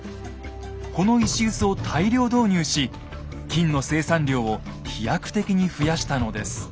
この石磨を大量導入し金の生産量を飛躍的に増やしたのです。